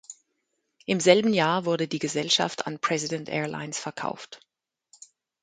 Im selben Jahr wurde die Gesellschaft an President Airlines verkauft.